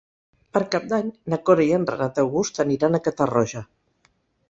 Per Cap d'Any na Cora i en Renat August aniran a Catarroja.